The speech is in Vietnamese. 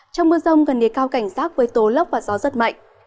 trong mưa rông gần đề cao cảnh rác với tố lóc và gió rất mạnh